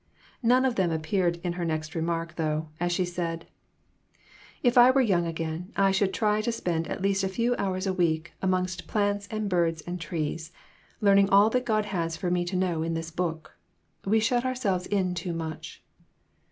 None of them appeared in her next remark, though, as she said " If I were young again I should try to spend at least a few hours a week amongst plants and birds and trees, learning all that God has for me to know in this book. We shut ourselves in too much."